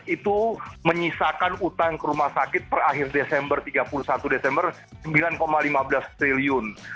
dua ribu delapan belas itu menyisakan utang ke rumah sakit per akhir desember tiga puluh satu desember rp sembilan lima belas triliun